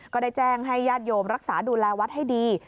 ก็ได้แจ้งให้ญาติโยมรักษาดูแลวัดให้ดี